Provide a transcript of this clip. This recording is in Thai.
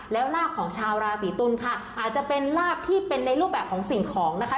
แล้วลาบของชาวราศีตุลค่ะอาจจะเป็นลาบที่เป็นในรูปแบบของสิ่งของนะคะ